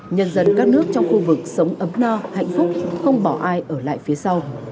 nhân dân các nước trong khu vực sống ấm no hạnh phúc không bỏ ai ở lại phía sau